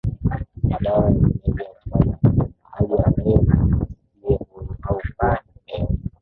madawa ya kulevya hufanya mtumiaji alewe na ajisikie huru au kuwa upeo